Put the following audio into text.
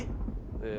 ええ。